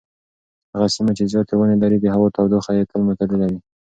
هغه سیمه چې زیاتې ونې لري د هوا تودوخه یې تل معتدله وي.